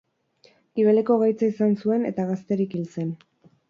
Gibeleko gaitza izan zuen, eta gazterik hil zen.